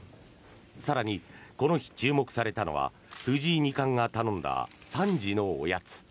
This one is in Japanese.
更に、この日注目されたのは藤井二冠が頼んだ３時のおやつ。